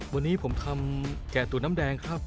วันนี้ผมทำแก่ตุ๋นน้ำแดงครับ